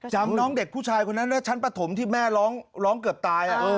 น้องเด็กผู้ชายคนนั้นได้ชั้นประถมที่แม่ร้องเกือบตาย